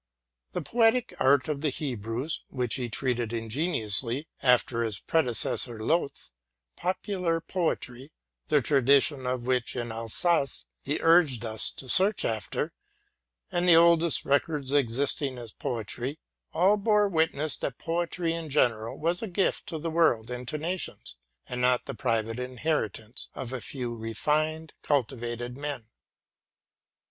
The poetic art of the Hebrews, which he treated ingeniously after his predecessor Lowth, — popular poetry, the traditions of which in Alsace he urged us to search after ; and the oldest records existing as poetry, — all bore witness that poetry in general was a gift to the world and to nations, and not the private inheritance of a few re . RELATING TO MY LIFE. ig fined, cultivated men.